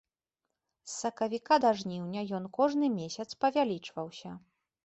З сакавіка да жніўня ён кожны месяц павялічваўся.